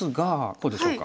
こうでしょうか？